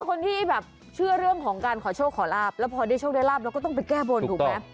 คนที่แบบเชื่อเรื่องของการขอโชคขอลาบแล้วพอได้โชคได้ลาบเราก็ต้องไปแก้บนถูกไหม